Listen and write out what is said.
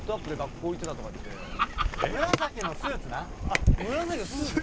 あっ紫のスーツ？